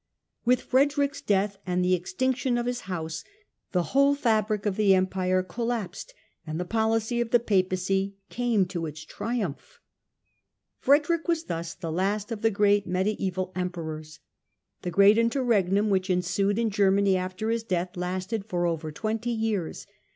With Frederick's death and the extinction of his house the whole fabric of the Empire collapsed and the policy of the Papacy came to its triumph. Frederick was thus the last of the great mediaeval 294 Emperors. The Great Interregnum which ensued in Germany after his death lasted for over twenty years.